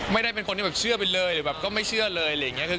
ไม่ได้เป็นคนที่เชื่อไปเลยหรือแบบก็ไม่เชื่อเลย